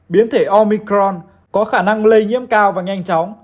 biến thể omicron có khả năng lây nhiễm cao và nhanh chóng